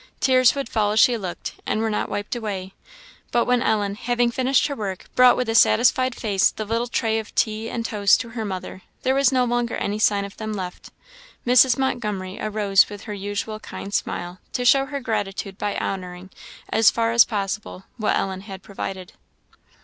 Tears would fall as she looked, and were not wiped away; but when Ellen, having finished her work, brought with a satisfied face the little tray of tea and toast to her mother, there was no longer any sign of them left; Mrs. Montgomery arose with her usual kind smile, to show her gratitude by honouring, as far as possible, what Ellen had provided.